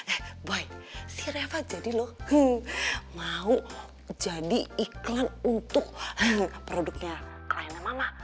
eh buy si reva jadi loh mau jadi iklan untuk produknya kliennya mama